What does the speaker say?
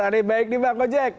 apa kabar baik nih bang kojek